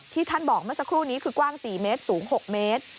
ท่านบอกเมื่อสักครู่นี้คือกว้าง๔เมตรสูง๖เมตร